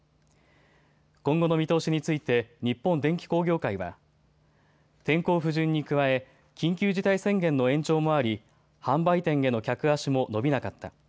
今後の見通しについて日本電機工業会は天候不順に加え緊急事態宣言の延長もあり販売店への客足も伸びなかった。